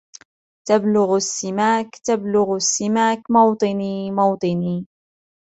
تبـلُـغُ السِّـمَـاكْ تبـلـغُ السِّـمَاكْ مَــوطِــنِــي مَــوطِــنِــي